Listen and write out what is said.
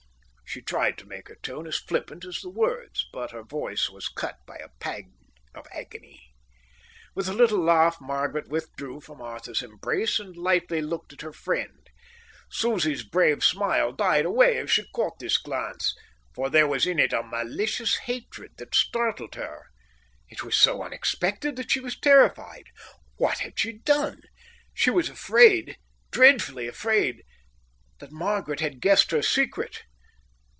She tried to make her tone as flippant as the words, but her voice was cut by a pang of agony. With a little laugh, Margaret withdrew from Arthur's embrace and lightly looked at her friend. Susie's brave smile died away as she caught this glance, for there was in it a malicious hatred that startled her. It was so unexpected that she was terrified. What had she done? She was afraid, dreadfully afraid, that Margaret had guessed her secret.